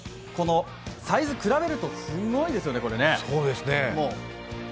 サイズ、比べるとすごいですよね。